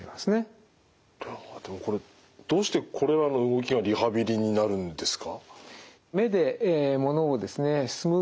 でもこれどうしてこれらの動きがリハビリになるんですか？